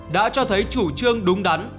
đã cho thấy chủ trương đúng đắn